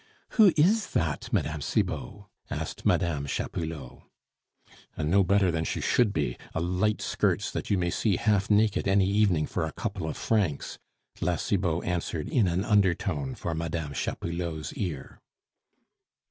"Who is that, Mme. Cibot?" asked Mme. Chapoulot. "A no better than she should be, a light skirts that you may see half naked any evening for a couple of francs," La Cibot answered in an undertone for Mme. Chapoulot's ear.